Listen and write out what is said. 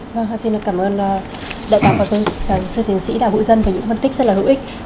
vâng xin cảm ơn đại học và sư tiến sĩ đào hữu dân về những phân tích rất là hữu ích